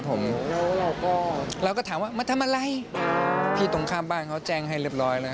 ผู้ที่ตรงข้างบ้านเค้าแจ้งให้เรียบร้อย